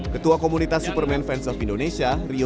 ketua komunitas superman fans of indonesia rio